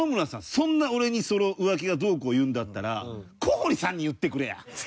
そんな俺にそれを浮気がどうこう言うんだったら小堀さんに言ってくれや！